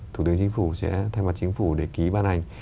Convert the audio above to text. thủ tướng chính phủ sẽ thay mặt chính phủ để ký ban hành